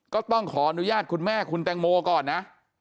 ก็ต้องขออนุญาตคุณแม่คุณแตงโมก่อนนะ